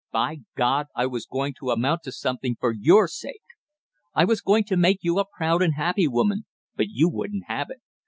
By God, I was going to amount to something for your sake! I was going to make you a proud and happy woman, but you wouldn't have it!